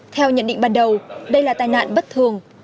theo nhận định ban đầu đây là tai nạn bất thường